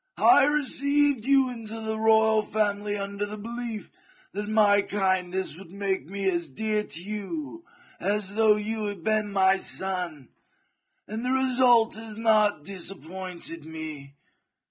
I received you into the royal family under the belief that my kindness would I30 THE JUGURTHINE WAR. CHAP, make me as dear to you as though you had been my son, and the result has not disappointed me.